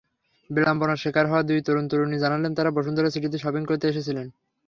বিড়ম্বনার শিকার হওয়া দুই তরুণ-তরুণী জানালেন, তাঁরা বসুন্ধরা সিটিতে শপিং করতে এসেছিলেন।